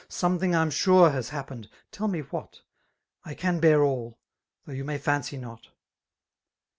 '' Something rmsnrehashi^pened *4ell me what*^* " I can bear aU^ though you may fancy not.